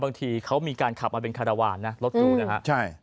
บางทีเขามีการขับมาเป็นคารวาลนะรถดูนะฮะใช่